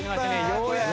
ようやく。